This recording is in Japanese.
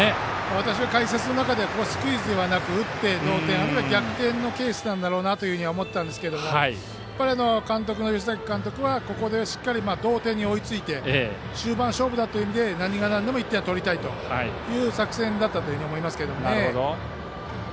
私の解説の中でここはスクイズではなくて打って同点、あるいは逆転のケースだろうなと思っていたんですが吉崎監督はここで同点にしっかり追いついて終盤勝負ということで何がなんでも１点は取りたいという作戦だったと思います。